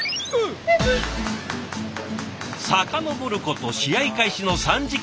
遡ること試合開始の３時間半前。